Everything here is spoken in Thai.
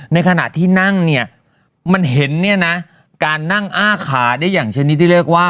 ในขณะที่นั่งเนี่ยมันเห็นเนี่ยนะการนั่งอ้าขาได้อย่างชนิดที่เรียกว่า